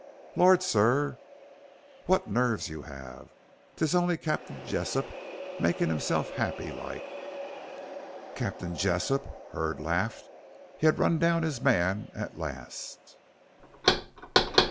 "Lor', sir, wot nervses you 'ave. 'Tis only Cap'n Jessop makin' hisself 'appy like." "Captain Jessop," Hurd laughed. He had run down his man at last.